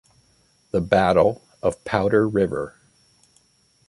The Battle of Powder River.